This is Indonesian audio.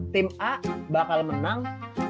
tim a bakal menang dua puluh dua